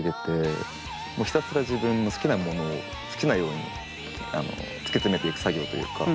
ひたすら自分の好きなものを好きなように突き詰めていく作業というか。